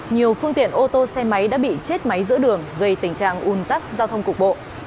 nhiều phương tiện ô tô xe máy đã bị chết máy giữa đường gây tình trạng un tắc giao thông cục bộ